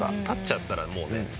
立っちゃったらもうね。